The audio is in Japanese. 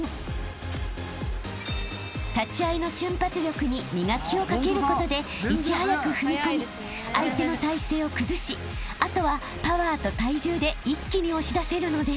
［立ち合いの瞬発力に磨きをかけることでいち早く踏み込み相手の体勢を崩しあとはパワーと体重で一気に押し出せるのです］